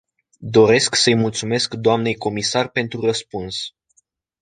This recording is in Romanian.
Doresc să-i mulțumesc dnei comisar pentru răspuns.